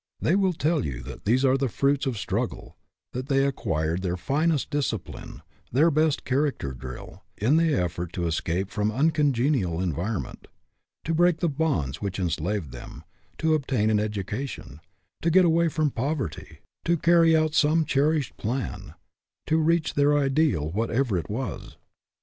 They will tell you that these are the fruits of struggle; that they acquired their finest discipline, their best character drill, in the effort to escape from an uncongenial environment; to break the bonds which enslaved them ; to obtain an education ; to get away from poverty; to carry out some cher 50 FREEDOM AT ANY COST ished plan; to reach their ideal, whatever it was.